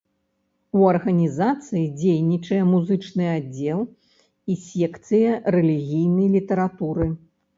У арганізацыі дзейнічае музычны аддзел і секцыя рэлігійнай літаратуры.